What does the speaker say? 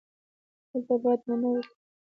دلته باید ونه وکرو